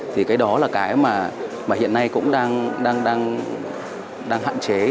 thì cái đó là cái mà hiện nay cũng đang hạn chế